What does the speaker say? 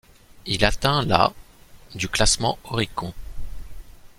Il atteint la du classement oricon.